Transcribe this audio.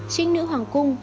trinh nữ hoàng cung